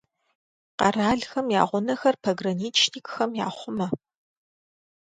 Къэралхэм я гъунэхэр пограничникхэм яхъумэ.